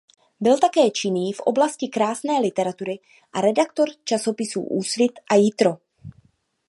Byl také činný v oblasti krásné literatury a redaktor časopisů Úsvit a Jitro.